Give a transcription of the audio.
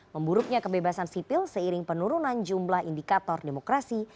memburuknya kebebasan sipil seiring penurunan jumlah indikator demokrasi